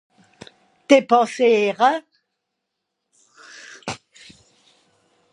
dépensìere